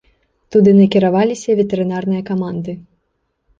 Туды накіраваліся ветэрынарныя каманды.